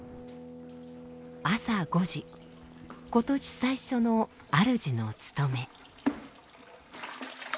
朝５時今年最初のあるじの務め。